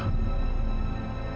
tapi itu tidak bisa jadi